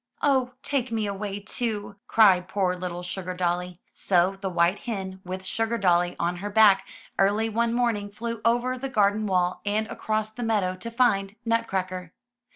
"Oh, take me away, too,'' cried poor little Sugar dolly. So the white hen, with Sugardolly on her back, early one morning flew over the garden wall and across the meadow to find Nutcracker.